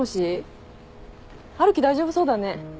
春樹大丈夫そうだね。